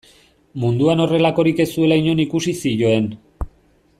Munduan horrelakorik ez zuela inon ikusi zioen.